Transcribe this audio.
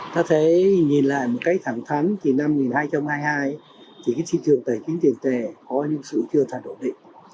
ta thấy nhìn lại một cách thẳng thắng thì năm hai nghìn hai mươi hai thì cái thị trường tài chính tiền tệ có những sự chưa thật ổn định